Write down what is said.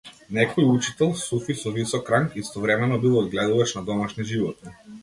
Некој учител, суфи со висок ранг, истовремено бил одгледувач на домашни животни.